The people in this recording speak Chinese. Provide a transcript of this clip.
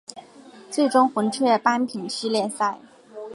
最终红雀扳平系列赛。